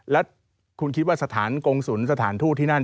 แล้วคุณคิดว่าสถานกงศุลสถานทูตที่นั่น